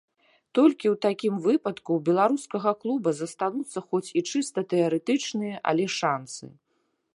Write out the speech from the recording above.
Толькі ў такім выпадку ў беларускага клуба застануцца хоць і чыста тэарэтычныя, але шанцы.